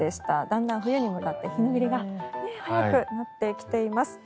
だんだん冬に向かって日の入りが早くなってきています。